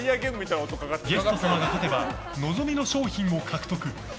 ゲスト様が勝てば望みの商品も獲得。